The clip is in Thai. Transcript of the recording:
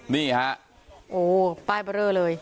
นี่ฮะโอ้ป้ายเบอร์เลอร์เลย